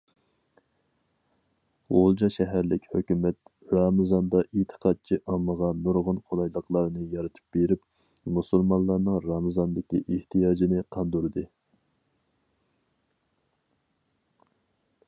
غۇلجا شەھەرلىك ھۆكۈمەت رامىزاندا ئېتىقادچى ئاممىغا نۇرغۇن قولايلىقلارنى يارىتىپ بېرىپ، مۇسۇلمانلارنىڭ رامىزاندىكى ئېھتىياجىنى قاندۇردى.